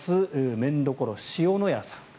麺処汐のやさん。